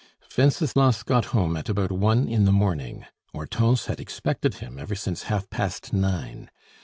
Wenceslas got home at about one in the morning; Hortense had expected him ever since half past nine.